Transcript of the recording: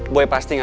boyg pasti gak mau